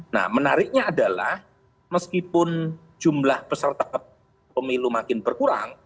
nah menariknya adalah meskipun jumlah peserta pemilu makin berkurang